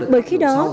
bởi khi đó